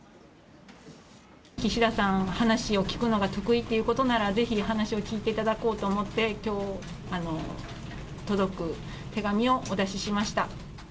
岸田さんは話を聞くのが得意ということなら、ぜひ話を聞いていただこうと思って、きょう届く手紙をお出ししました。